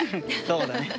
そうだね。